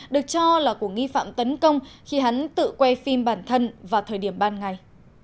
được cho là của nghi phạm tấn công khi hắn tự quay phim bản thân vào thời điểm ban ngày